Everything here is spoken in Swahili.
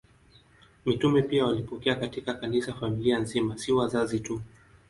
Mitume pia walipokea katika Kanisa familia nzima, si wazazi tu.